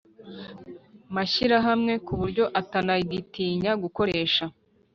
mashyirahamwe ku buryo atanagitinya gukoresha